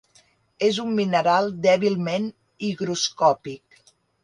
És un mineral dèbilment higroscòpic.